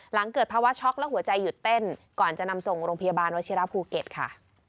หลังเกิดภาวะช็อกและหัวใจหยุดเต้นก่อนจะนำส่งโรงพยาบาลวชิระภูเก็ตค่ะ